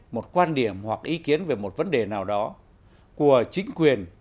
một quan điểm hoặc ý kiến về một vấn đề nào đó của chính quyền